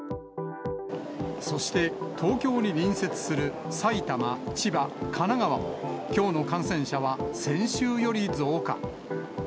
そして東京に隣接する埼玉、千葉、神奈川も、きょうの感染者は先週より増加。